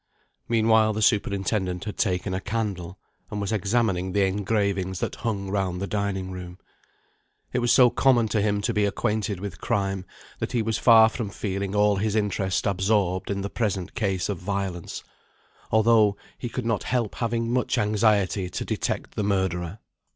Meanwhile, the superintendent had taken a candle, and was examining the engravings that hung round the dining room. It was so common to him to be acquainted with crime, that he was far from feeling all his interest absorbed in the present case of violence, although he could not help having much anxiety to detect the murderer.